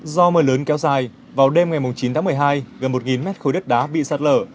do mưa lớn kéo dài vào đêm ngày chín tháng một mươi hai gần một mét khối đất đá bị sạt lở